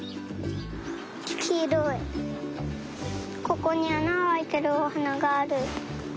ここにあながあいてるおはながある。